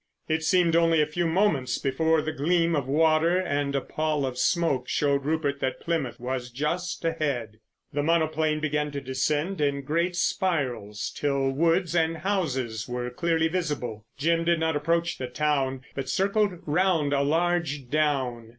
It seemed only a few moments before the gleam of water and a pall of smoke showed Rupert that Plymouth was just ahead. The monoplane began to descend in great spirals, till woods and houses were clearly visible. Jim did not approach the town, but circled round a large down.